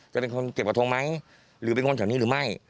จะเป็นคนเก็บกระทงไหมหรือเป็นคนแถวนี้หรือไม่